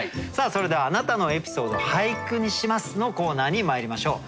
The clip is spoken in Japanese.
それでは「あなたのエピソード、俳句にします」のコーナーにまいりましょう。